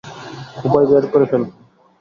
উপায় বের করে ফেলবো।